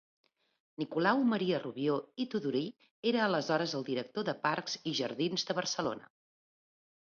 Nicolau Maria Rubió i Tudurí era aleshores el director de Parcs i jardins de Barcelona.